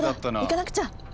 行かなくちゃ！